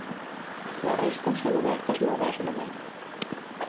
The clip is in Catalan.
La resta són obertes modernament.